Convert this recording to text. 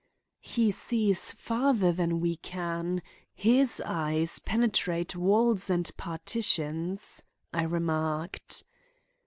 "He sees farther than we can. His eyes penetrate walls and partitions," I remarked.